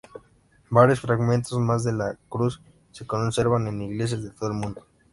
Varios fragmentos más de la Cruz se conservan en iglesias de todo el mundo.